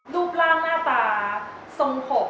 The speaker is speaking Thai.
รูปร่างหน้าตาทรงหก